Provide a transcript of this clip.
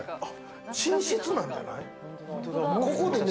寝室なんじゃない？